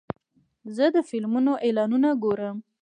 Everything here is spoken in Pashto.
زه د فلمونو اعلانونه ګورم.